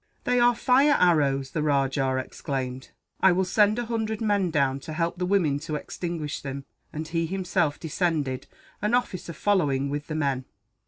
"They are fire arrows!" the rajah exclaimed. "I will send a hundred men down, to help the women to extinguish them;" and he himself descended, an officer following, with the men.